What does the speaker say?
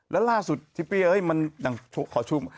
แล้วล่าสุดชิปปีขอชุม